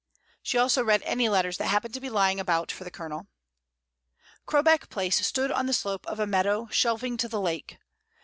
She also read any letters that happened to be lying about for the Colonel. Crowbeck Place stood on the slope of a meadow shelving to the lake.